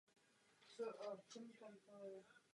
Oba kluby totiž jsou umístěny v centru města León.